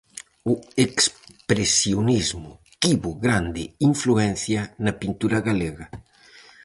O expresionismo tivo grande influencia na pintura galega.